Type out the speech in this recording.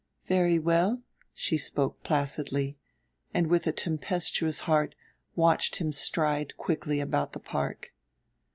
"Very well." She spoke placidly, and with a tempestuous heart watched him stride quickly about the park.